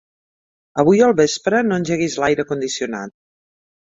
Avui al vespre no engeguis l'aire condicionat.